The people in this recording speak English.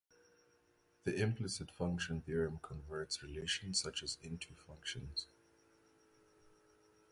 The implicit function theorem converts relations such as into functions.